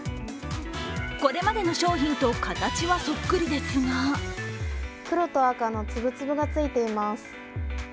これまでの商品と形はそっくりですが黒と赤のつぶつぶがついています。